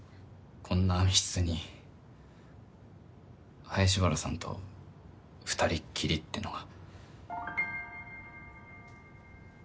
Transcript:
こんな密室に林原さんと二人っきりってのが。